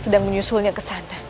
sedang menyusulnya ke sana